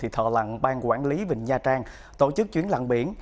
thợ lặng bang quản lý vịnh nha trang tổ chức chuyến lặng biển